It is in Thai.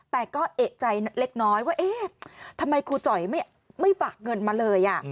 แต่ก็เอกใจเล็กน้อยว่าเอ๊ะทำไมครูจ่อยไม่ฝากเงินมาเลย